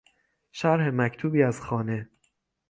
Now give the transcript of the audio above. شرح مکتوبی از خانه